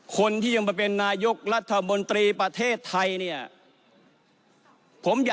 คนที่ยังมาเป็นนายกรัฐมนตรีประเทศไทยเนี่ย